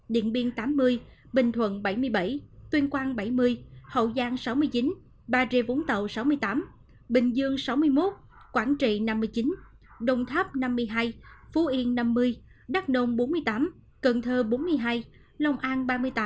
điện biên tám mươi bình thuận bảy mươi bảy tuyên quang bảy mươi hậu giang sáu mươi chín bà rịa vũng tàu sáu mươi tám bình dương sáu mươi một quảng trị năm mươi chín đồng tháp năm mươi hai phú yên năm mươi đắk nông bốn mươi tám cần thơ bốn mươi hai long an ba mươi tám